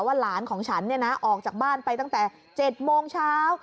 หลานของฉันออกจากบ้านไปตั้งแต่๗โมงเช้า